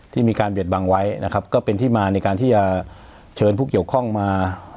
ที่มีการเบียดบังไว้นะครับก็เป็นที่มาในการที่จะเชิญผู้เกี่ยวข้องมา